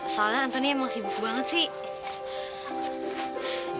soalnya antoni emang sibuk banget sih